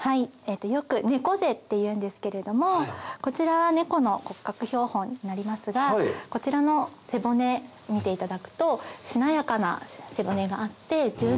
よく猫背っていうんですけれどもこちらはネコの骨格標本になりますがこちらの背骨見ていただくと。